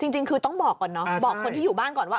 จริงคือต้องบอกก่อนเนาะบอกคนที่อยู่บ้านก่อนว่า